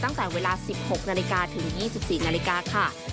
ตั้งแต่เวลา๑๖นาฬิกาถึง๒๔นาฬิกาค่ะ